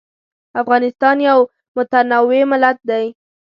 افغانستان یو متنوع ملت دی.